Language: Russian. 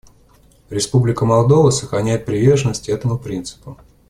Республика Молдова сохраняет приверженность этому принципу.